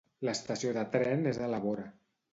L'estació de tren és a la vora.